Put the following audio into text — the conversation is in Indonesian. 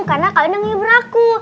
karena kalian yang ibar aku